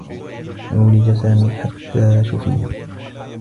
عولِج سامي حتّى شفي.